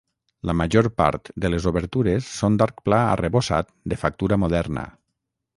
La major part de les obertures són d'arc pla arrebossat de factura moderna.